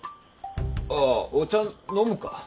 ああお茶飲むか？